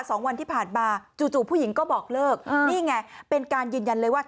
สองวันที่ผ่านมาจู่จู่ผู้หญิงก็บอกเลิกนี่ไงเป็นการยืนยันเลยว่า